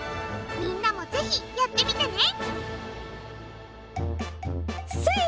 みんなもぜひやってみてね！